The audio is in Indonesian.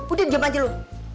udah dia maju lo